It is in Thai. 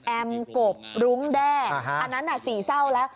แอมบ์กมลุ้งแด๊อันนั้นน่ะสี่เศร้าแล้ว